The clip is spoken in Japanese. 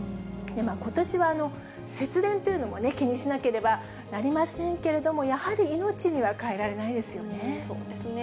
ことしは節電というのも気にしなければなりませんけれども、やはり命には代えられないですよね。